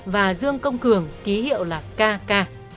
và dương công cường ký hiệu là kk